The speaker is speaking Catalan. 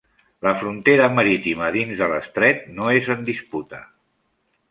La frontera marítima dins de l'estret no és en disputa.